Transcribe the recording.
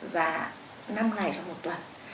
và năm ngày trong một tuần